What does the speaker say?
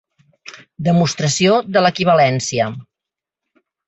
Demostració de l'equivalència.